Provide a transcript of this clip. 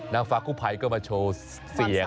นางฟ้ากู้ภัยก็มาโชว์เสียง